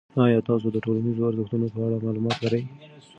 آیا تاسو د ټولنیزو ارزښتونو په اړه معلومات لرئ؟